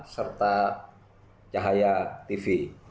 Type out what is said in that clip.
serta cahaya tv